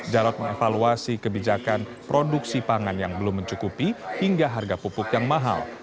jarod mengevaluasi kebijakan produksi pangan yang belum mencukupi hingga harga pupuk yang mahal